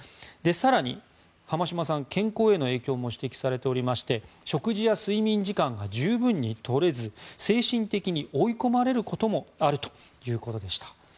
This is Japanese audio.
更に濱島さんは健康への影響も指摘されておりまして食事や睡眠時間が十分に取れず精神的に追い込まれることもあるということでした。